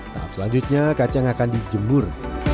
tahap selanjutnya kacang akan dijemur